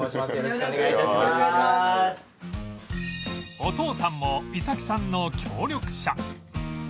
お父さんも衣咲さんの協力者